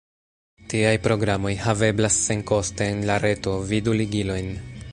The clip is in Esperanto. Tiaj programoj haveblas senkoste en la reto, vidu ligilojn.